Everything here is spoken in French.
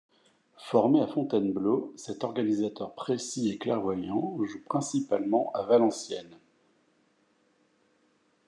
Formé à Fontainebleau, cet organisateur précis et clairvoyant joue principalement à Valenciennes.